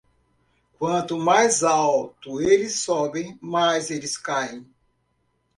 Quanto mais alto eles sobem, mais eles caem.